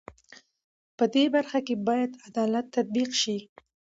په دې برخه کې بايد عدالت تطبيق شي.